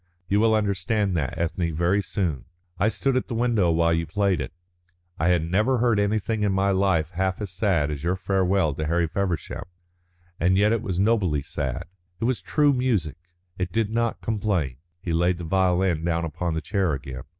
You will understand that, Ethne, very soon. I stood at the window while you played it. I had never heard anything in my life half so sad as your farewell to Harry Feversham, and yet it was nobly sad. It was true music, it did not complain." He laid the violin down upon the chair again.